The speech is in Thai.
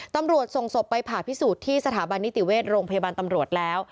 ตำรวจส่งศพไปผ่าพิสูจน์ที่สถาบันนิติเวชโรงพยาบาลตำรวจแล้ว